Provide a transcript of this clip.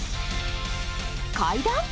階段？